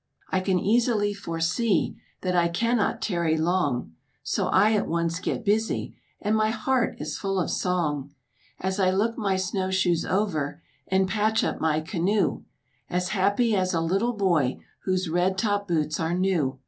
I can easily foresee That I cannot tarry long, So I at once get busy, And my heart is full of song; As I look my snow shoes over, And patch up my canoe; As happy as a little boy Whose red top boots are new.